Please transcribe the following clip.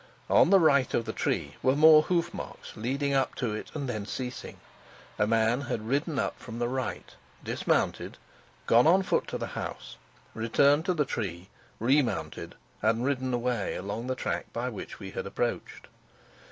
On the right of the tree were more hoof marks, leading up to it and then ceasing. A man had ridden up from the right, dismounted, gone on foot to the house, returned to the tree, remounted, and ridden away along the track by which we had approached.